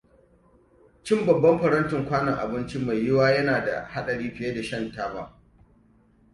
Cin babban farantin kwanon abinci mai yiwuwa yana da haɗari fiye da shan taba.